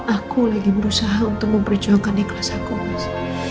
aku lagi berusaha untuk memperjuangkan ikhlas aku mas